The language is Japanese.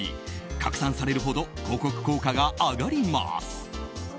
拡散されるほど広告効果が上がります。